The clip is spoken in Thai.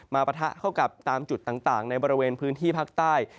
ปะทะเข้ากับตามจุดต่างในบริเวณพื้นที่ภาคใต้